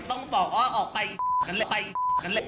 ต้องบอกอ้อออกไปอี๋กันเลย